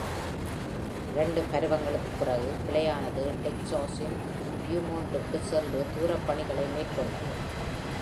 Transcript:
இரண்டு பருவங்களுக்குப் பிறகு, கிளையானது டெக்சாஸின் பியூமோன்ட்டுக்குச் சென்று தூரப்பணிகளை மேற்கொண்டது.